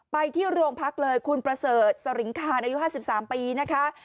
ไปที่โรงพักเลยคุณประเสริฐสริงคารอายุ๕๓ปีนะคะ